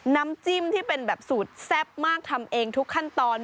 น้ำจิ้มที่เป็นแบบสูตรแซ่บมากทำเองทุกขั้นตอน